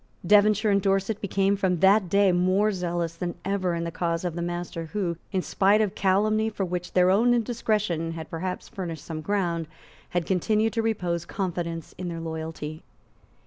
Devonshire and Dorset became from that day more zealous than ever in the cause of the master who, in spite of calumny for which their own indiscretion had perhaps furnished some ground, had continued to repose confidence in their loyalty.